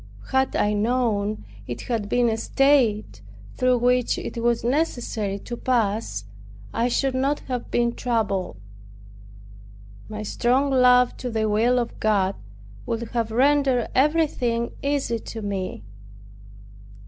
Had I known it had been a state through which it was necessary to pass, I should not have been troubled. My strong love to the will of God would have rendered everything easy to me.